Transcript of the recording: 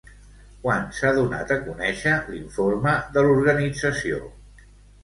Quan s'ha donat a conèixer l'informe de l'Organització?